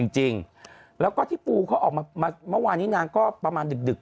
จริงแล้วก็ที่ปูเขาออกมาเมื่อวานนี้นางก็ประมาณดึก